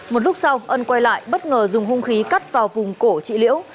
một lúc sau ân quay lại bất ngờ dùng hung khí cắt vào vùng cổ chị liễu